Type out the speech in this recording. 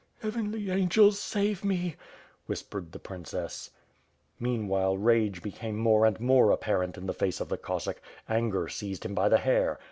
"Heavenly angels, save me!" whispered the princess. Meanwhile, rage became more and more apparent in the face of the Cossack. Anger seized him by the hair.